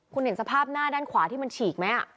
คุณเห็นสภาพหน้าด้านขวาที่มันฉีกไหม